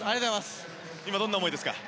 今どんな思いですか？